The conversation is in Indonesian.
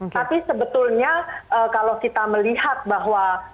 tapi sebetulnya kalau kita melihat bahwa